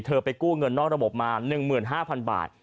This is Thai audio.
ไปกู้เงินนอกระบบมา๑๕๐๐๐บาท